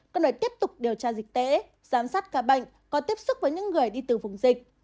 các nơi tiếp tục điều tra dịch tễ giám sát ca bệnh có tiếp xúc với những người đi từ vùng dịch